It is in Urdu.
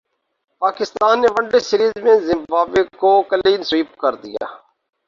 پاکستان نے ون ڈے سیریز میں زمبابوے کو کلین سوئپ کردیا